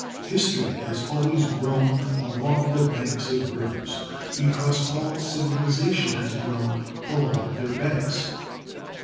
History has always grown along the banks of rivers, because all civilization has grown along their banks.